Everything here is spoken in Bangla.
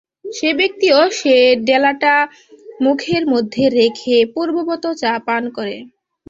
সে ব্যক্তিও সে ডেলাটা মুখের মধ্যে রেখে পূর্ববৎ চা পান করে।